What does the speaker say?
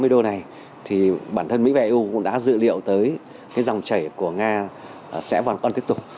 hai mươi đô này thì bản thân mỹ và eu cũng đã dự liệu tới cái dòng chảy của nga sẽ hoàn toàn tiếp tục